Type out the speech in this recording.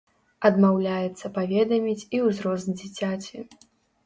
Адмаўляецца паведаміць і ўзрост дзіцяці.